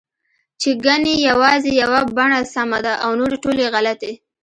چې ګنې یوازې یوه بڼه سمه ده او نورې ټولې غلطې